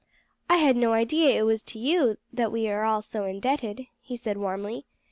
"I had no idea it was to you that we are all so indebted," he said warmly.